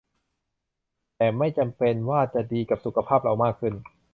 แต่ไม่จำเป็นว่าจะดีกับสุขภาพเรามากขึ้น